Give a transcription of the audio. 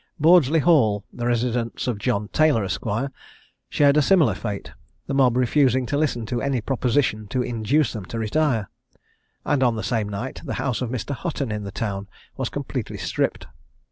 Bordesley Hall, the residence of John Taylor, Esq., shared a similar fate, the mob refusing to listen to any proposition to induce them to retire; and on the same night the house of Mr. Hutton in the town was completely stripped.